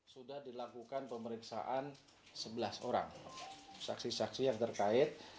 sudah dilakukan pemeriksaan sebelas orang saksi saksi yang terkait